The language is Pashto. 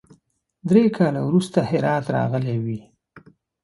درې کاله وروسته هرات راغلی وي.